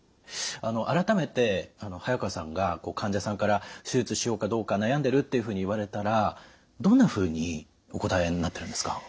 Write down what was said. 改めて早川さんが患者さんから「手術しようかどうか悩んでる」っていうふうに言われたらどんなふうにお答えになってるんですか？